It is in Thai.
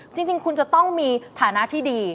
จริงคุณจะต้องมีฐานะที่ดี